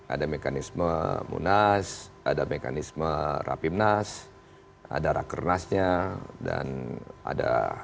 ada mekanisme munas ada mekanisme rapimnas ada rakernasnya dan ada